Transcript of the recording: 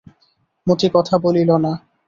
মতি কথা বলিল না।